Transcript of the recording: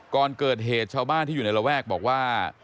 ก่อนเกิดเหตุชาวบ้านที่อยู่ในระแวกบอกว่า